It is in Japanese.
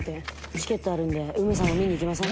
チケットあるんでウメさんも見に行きません？